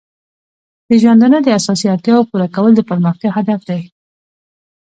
د ژوندانه د اساسي اړتیاو پوره کول د پرمختیا هدف دی.